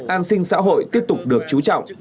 an sinh xã hội tiếp tục được chú trọng